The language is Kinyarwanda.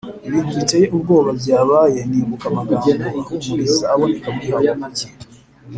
bintu biteye ubwoba byabaye Nibuka amagambo ahumuriza aboneka muri Habakuki